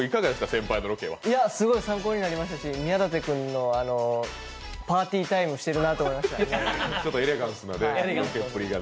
すごい参考になりましたし、宮舘君のパーティータイムしてるなと思いました。